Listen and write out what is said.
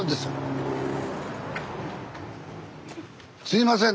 すいません。